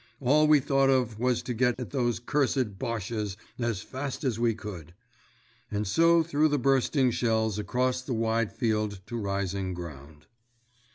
All we thought of was to get at those cursed 'Bosches' as fast as we could." And so through the bursting shells, across the wide field to rising ground.